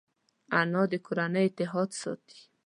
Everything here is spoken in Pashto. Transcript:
انا د کورنۍ اتحاد ساتي